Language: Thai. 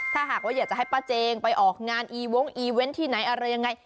ถ้าหากว่าอยากจะให้ป้าเจงไปออกงานอีวงอีเวนต์ที่ไหนอะไรยังไง